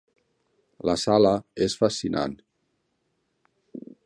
La sala és fascinant.